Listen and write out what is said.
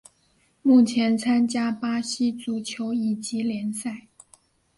目前参加巴西足球乙级联赛。